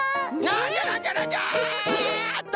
なんじゃなんじゃなんじゃっと！